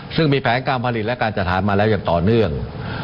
ซึ่งมีแผนการผลิตและการจัดหามาแล้วอย่างต่อเนื่อง